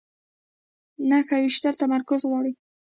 نښه ویشتل تمرکز غواړي